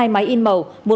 hai máy in màu